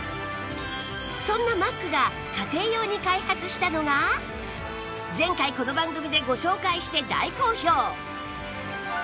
そんな ＭＡＣ が家庭用に開発したのが前回この番組でご紹介して大好評